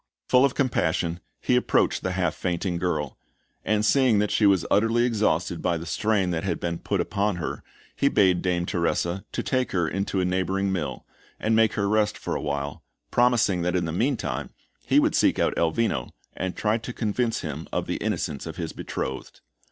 Full of compassion, he approached the half fainting girl; and, seeing that she was utterly exhausted by the strain that had been put upon her, he bade Dame Teresa to take her into a neighbouring mill, and make her rest for a while, promising that in the meantime, he would seek out Elvino and try to convince him of the innocence of his betrothed.